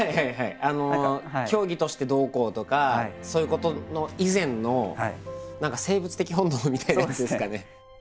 競技としてどうこうとかそういうことの以前の何か生物的本能みたいなやつですかね。